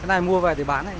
cái này mua về thì bán này nhỉ